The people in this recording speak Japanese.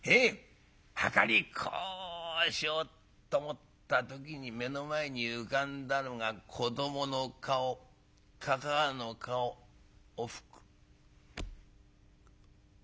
はかりこうしようと思った時に目の前に浮かんだのが子どもの顔かかあの顔おふく」。